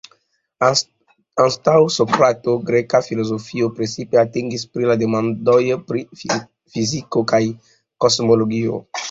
Antaŭ Sokrato, greka filozofio precipe atentis pri la demandoj pri fiziko kaj kosmologio.